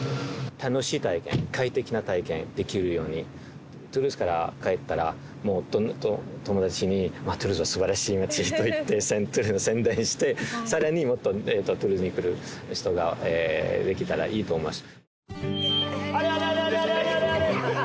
楽しい大会、快適な体験をできるように、トゥールーズから帰ったら、もうどんどん友だちに、トゥールーズはすばらしい町だと言って宣伝して、さらにもっとトゥールーズに来る人ができたらいいと思います。